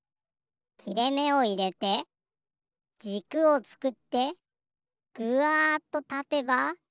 きれめをいれてじくをつくってぐわっとたてば。